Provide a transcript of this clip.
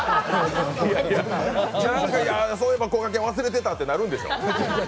いやいや、そういえばこがけん忘れてたってなるんでしょう。